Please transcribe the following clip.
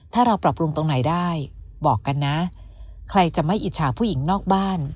ถ้าเราปรับปรุงตรงไหนได้บอกกันนะใครจะไม่อิจฉาผู้หญิงนอกบ้าน